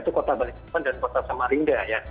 itu kota balikpapan dan kota samarinda ya